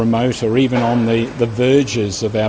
atau bahkan di belakang kota kota besar